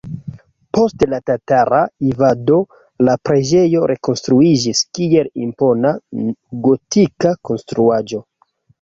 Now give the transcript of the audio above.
Post la tatara invado la preĝejo rekonstruiĝis, kiel impona gotika konstruaĵo.